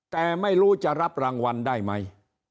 แต่ไม่รู้จะรับรางวัลได้ไหม